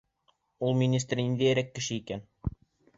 Ул министр ниндәйерәк кеше икән?